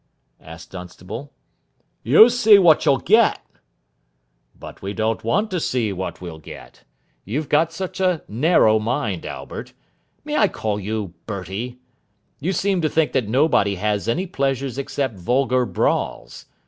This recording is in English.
asked Dunstable. "You see what you'll get." "But we don't want to see what we'll get. You've got such a narrow mind, Albert may I call you Bertie? You seem to think that nobody has any pleasures except vulgar brawls.